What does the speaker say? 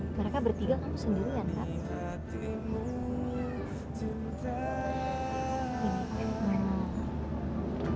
mereka bertiga kamu sendirian kak